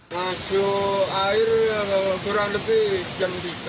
masuk air kurang lebih jam tiga